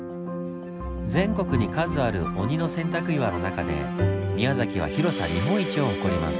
全国に数ある鬼の洗濯岩の中で宮崎は広さ日本一を誇ります。